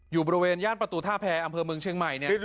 อยู่บริเวณย่านประตูท่าแพรอำเภอเมืองเชียงใหม่เนี่ย